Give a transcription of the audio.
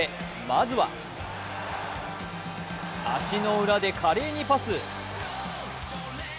まずは足の裏で華麗にパス。